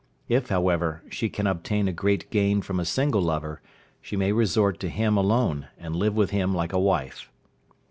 If, however, she can obtain a great gain from a single lover, she may resort to him alone, and live with him like a wife.